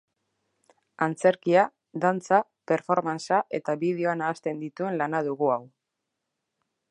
Antzerkia, dantza, performacea eta bideoa nahasten dituen lana dugu hau.